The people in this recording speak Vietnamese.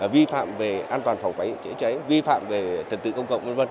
vi phạm về an toàn phòng pháy chế cháy vi phạm về trật tự công cộng